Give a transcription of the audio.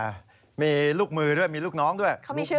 มีลูกมือด้วยมีลูกน้องด้วย